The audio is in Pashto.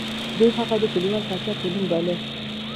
دوی هغه د کلیوال پاچا په نوم باله.